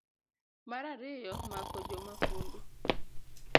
mar ariyo, mako jomafundu